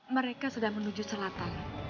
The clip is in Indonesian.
mereka sedang menuju selatan